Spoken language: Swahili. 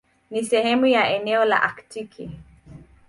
Ni sehemu ya eneo la Aktiki.